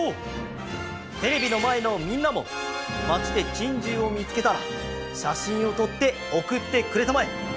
テレビのまえのみんなもまちでチンジューをみつけたらしゃしんをとっておくってくれたまえ！